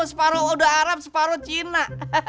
separoh oda arab separoh cina